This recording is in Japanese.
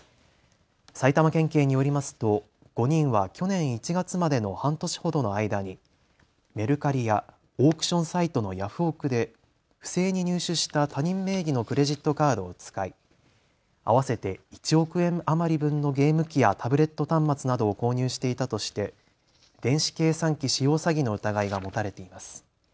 埼玉県警によりますと５人は去年１月までの半年ほどの間にメルカリやオークションサイトのヤフオクで不正に入手した他人名義のクレジットカードを使い、合わせて１億円余り分のゲーム機やタブレット端末などを購入していたとして電子計算機使用詐欺の疑いが持たれています。